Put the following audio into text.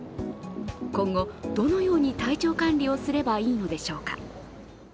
今後どのように体調管理をすればいいのでしょうか。